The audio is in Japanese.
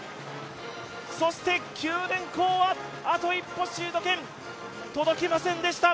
九電工は、あと一歩シード権に届きませんでした。